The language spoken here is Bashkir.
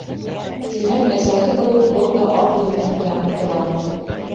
Тимәк, әсәһе кеүек был да ал бирмәҫкә ынтыла.